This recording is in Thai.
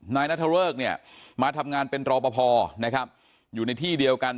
นายนัทเริกเนี่ยมาทำงานเป็นรอปภนะครับอยู่ในที่เดียวกัน